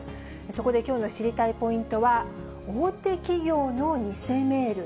そこできょうの知りたいポイントは、大手企業の偽メール。